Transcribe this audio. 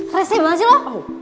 resipi banget sih lo